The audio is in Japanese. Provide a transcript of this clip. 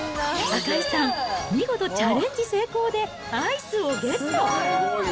赤井さん、見事チャレンジ成功で、アイスをゲット。